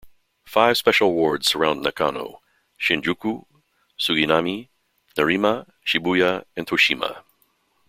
Five special wards surround Nakano: Shinjuku, Suginami, Nerima, Shibuya, and Toshima.